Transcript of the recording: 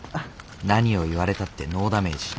何を言われたってノーダメージ。